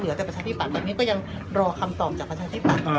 เหลือแต่ประชาธิปัตย์แบบนี้ก็ยังรอคำตอบจากประชาธิปัตย์